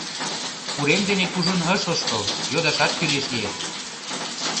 Урем дене кужун ыш ошкыл, йодашат кӱлеш лие.